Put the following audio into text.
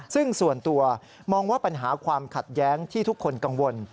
ซึ่งส่วนตัวมองว่าปัญหาความขัดแย้งที่ทุกคนกังวล